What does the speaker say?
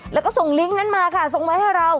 แล้วก็ส่งลิงก์นั้นมาค่ะส่งไว้ให้เรา